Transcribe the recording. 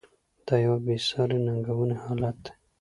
دا یوه بې ساري ننګونکی حالت دی.